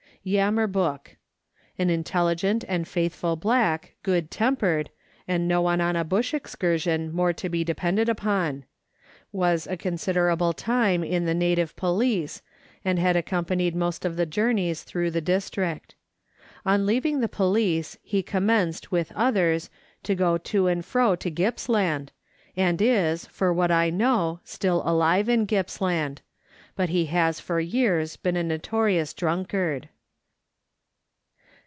Yamaboke ( Yam mer book). An intelligent and faithful black, good tempered, and no one on a bush excursion more to be depended upon ; was a considerable time in the native police, and had ac companied most of the journeys through the district. On leaving the police he commenced, with others, to go to and fro to Gippsland, and is, for what I know, still alive in Gippsland ; but he has for years been a notorious drunkard.